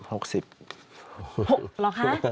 เหรอคะ